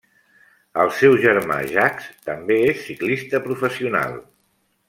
El seu germà Jacques també és ciclista professional.